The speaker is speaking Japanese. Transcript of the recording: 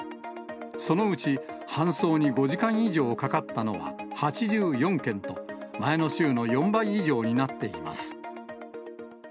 そのうち、搬送に５時間以上かかったのは８４件と、前の週の４倍以上になっています。